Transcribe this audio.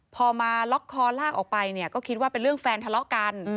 พอมาล็อกคอลากออกไปเนี่ยก็คิดว่าเป็นเรื่องแฟนทะเลาะกัน